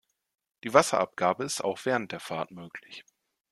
Die Wasserabgabe ist auch während der Fahrt möglich.